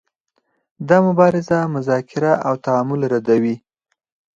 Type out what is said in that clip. دا مبارزه مذاکره او تعامل ردوي.